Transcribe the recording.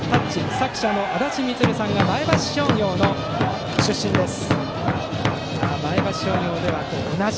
作者のあだち充さんが前橋商業の出身です。